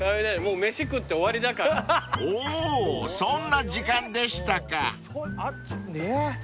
［おぉそんな時間でしたか］